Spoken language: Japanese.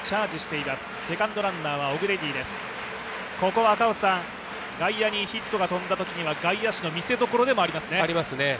ここは外野にヒットが飛んだときには外野手の見せ所でもありますね。